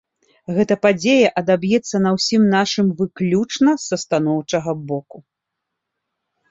Гэта падзея адаб'ецца на ўсім нашым выключна са станоўчага боку.